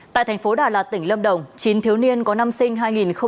tại thành phố đà lạt tỉnh lâm đồng chín thiếu niên có năm sinh hai nghìn sáu hai nghìn bảy